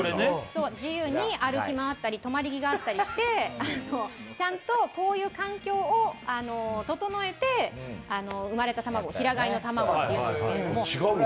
自由に歩き回ったり、とまり木があったりして、ちゃんとこういう環境を整えて生まれた卵、平飼いの卵というんですけどね